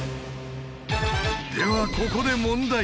ではここで問題！